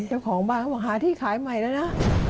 เจ้าของบ้านเขาบอกหาที่ขายใหม่แล้วนะ